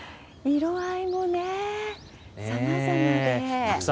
色合いもね、さまざまで。